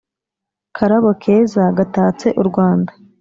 Karabo keza gatatse u Rwanda